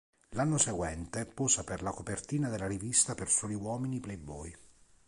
L'anno seguente, posa per la copertina della rivista per soli uomini "Playboy".